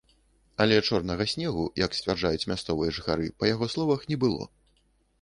Але чорнага снегу, як сцвярджаюць мясцовыя жыхары, па яго словах, не было.